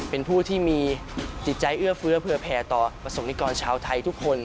เป็นผู้ที่มีจิตใจเอื้อเฟื้อเผื่อแผ่ต่อประสงค์นิกรชาวไทยทุกคน